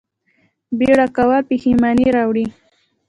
بیړه کول پښیماني راوړي